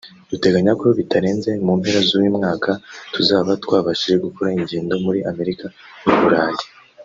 Duteganya ko bitarenze mu mpera z’uyu mwaka tuzaba twabashije gukora ingendo muri Amerika n’u Burayi